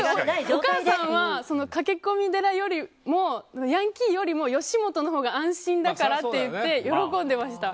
お母さんは、駆け込み寺よりもヤンキーよりも吉本のほうが安心だからと言って喜んでました。